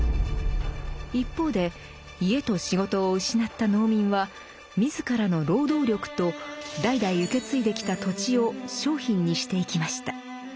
一方で家と仕事を失った農民は自らの労働力と代々受け継いできた土地を「商品」にしていきました。